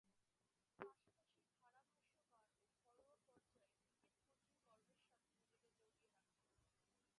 পাশাপাশি ধারাভাষ্যকার ও ঘরোয়া পর্যায়ের ক্রিকেটে কোচিং কর্মের সাথে নিজেকে জড়িয়ে রাখেন।